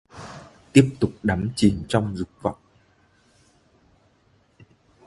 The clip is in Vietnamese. Tiếp tục đắm chìm trong Dục Vọng